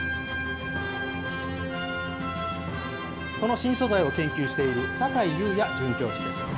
この新素材を研究している酒井雄也准教授です。